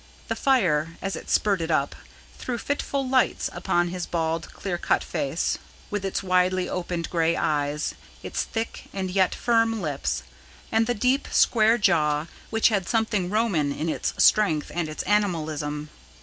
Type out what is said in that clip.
The fire, as it spurted up, threw fitful lights upon his bald, clear cut face, with its widely opened grey eyes, its thick and yet firm lips, and the deep, square jaw, which had something Roman in its strength and its animalism.